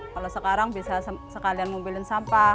kalau sekarang bisa sekalian ngumpulin sampah